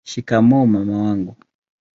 shikamoo mama wangu